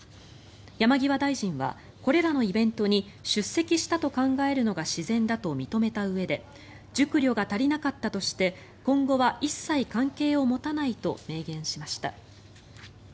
山際大臣はこれらのイベントに出席したと考えるのが自然だと認めたうえで熟慮が足りなかったとして今後は一切関係を持たないと明言しました。